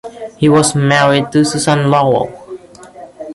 He was married to Susan Lowell.